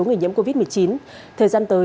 người nhiễm covid một mươi chín thời gian tới